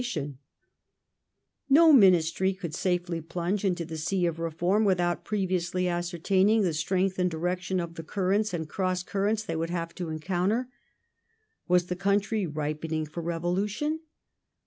28 PEACE WITHOUT PLENTY [1815 No Ministry could safely plunge into the sea of reform without previously ascertaining the strength and direction of the currents and cross cuiTents they would have to encounter. Was the country ripening for revolution